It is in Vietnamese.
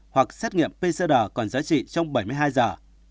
hoặc xét nghiệm pcr còn giá trị trong bảy mươi hai giờ